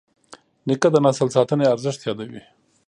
نیکه د نسل ساتنې ارزښت یادوي.